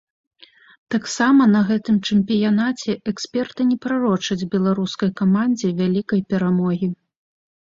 Таксама на гэтым чэмпіянаце эксперты не прарочаць беларускай камандзе вялікай перамогі.